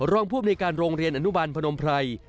รองภูมิในการโรงเรียนอนุบันพนมไพร